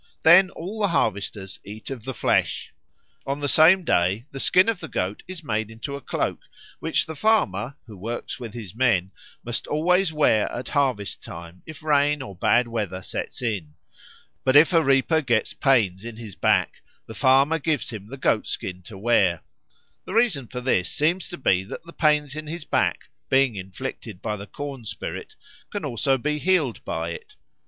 Then all the harvesters eat of the flesh. On the same day the skin of the goat is made into a cloak, which the farmer, who works with his men, must always wear at harvest time if rain or bad weather sets in. But if a reaper gets pains in his back, the farmer gives him the goat skin to wear. The reason for this seems to be that the pains in the back, being inflicted by the corn spirit, can also be healed by it.